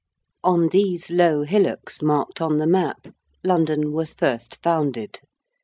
On these low hillocks marked on the map London was first founded.